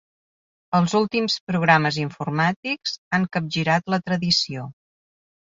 Els últims programes informàtics han capgirat la tradició.